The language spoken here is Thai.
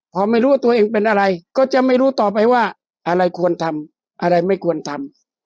พอไม่รู้ว่าตัวเองเป็นอะไรก็จะไม่รู้ต่อไปว่าอะไรควรทำอะไรไม่ควรทำ